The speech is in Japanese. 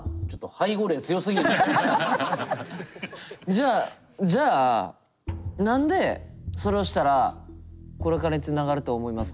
じゃあじゃあ何でそれをしたらこれからにつながると思いますか？